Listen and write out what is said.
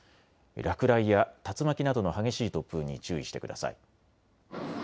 落雷や竜巻などの激しい突風に注意してください。